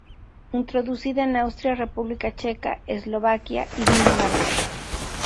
Introducida en Austria, República Checa, Eslovaquia y Dinamarca.